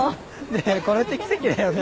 ねえこれって奇跡だよね？